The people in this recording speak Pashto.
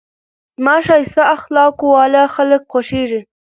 زما ښایسته اخلاقو واله خلک خوښېږي.